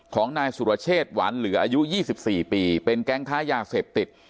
ของนายสุรเชษหวานเหลืออายุ๒๔ปีเป็นแก๊งค้ายาเสพติด